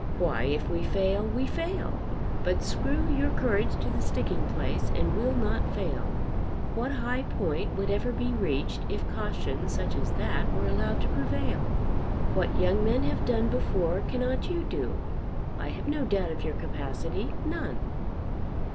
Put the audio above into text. "Why, if we fail, 'We fail! But screw your courage to the sticking place, And we'll not fail.' What high point would ever be reached if caution such as that were allowed to prevail? What young men have done before cannot you do? I have no doubt of your capacity. None."